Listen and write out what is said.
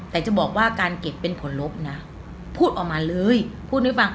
แต่จะบอกว่าการเก็บเป็นผลลบนะพูดออกมาเลยพูดให้ฟัง